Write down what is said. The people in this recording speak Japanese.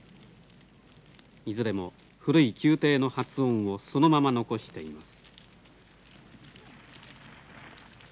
いずれも古い宮廷の発音をそのまま残しています。